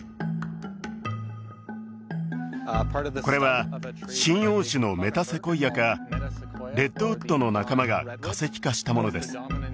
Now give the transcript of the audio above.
これは針葉樹のメタセコイアかレッドウッドの仲間が化石化したものです